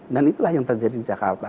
dan itulah yang terjadi di jakarta